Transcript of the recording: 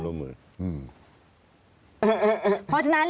ลุงเอี่ยมอยากให้อธิบดีช่วยอะไรไหม